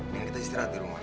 kita istirahat di rumah